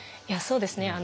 いやそうですね。